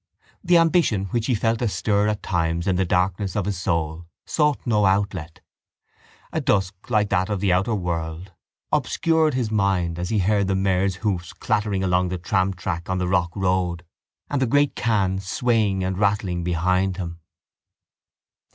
The ambition which he felt astir at times in the darkness of his soul sought no outlet. A dusk like that of the outer world obscured his mind as he heard the mare's hoofs clattering along the tramtrack on the Rock Road and the great can swaying and rattling behind him.